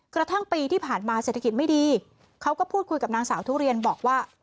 กระทั่งปีที่ผ่านมาเศรษฐกิจไม่ดีเขาก็พูดคุยกับนางสาวทุเรียนบอกว่า